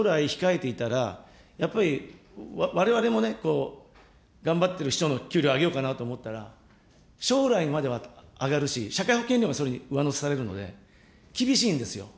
そのことが将来控えていたら、やっぱり、われわれもね、頑張ってる人の給料上げようと思ったら、将来までは上がるし、社会保険料もそれに上乗せされるので、厳しいんですよ。